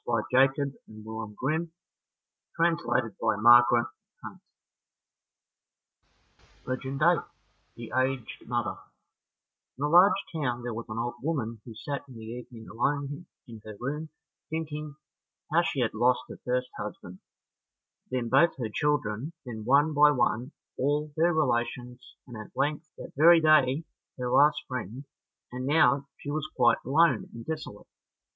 The little flower is still always called Our Lady's Little Glass. Legend 8 The Aged Mother In a large town there was an old woman who sat in the evening alone in her room thinking how she had lost first her husband, then both her children, then one by one all her relations, and at length, that very day, her last friend, and now she was quite alone and desolate.